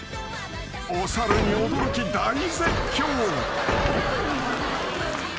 ［お猿に驚き大絶叫］